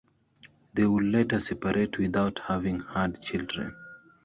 They would later separate without having had children.